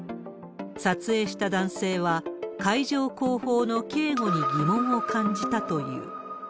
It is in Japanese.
撮影した男性は、会場後方の警護に疑問を感じたという。